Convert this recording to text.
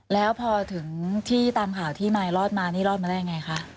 แล้วพอถึงที่ตามข่าวที่มายรอดมานี่รอดมาได้ยังไงคะ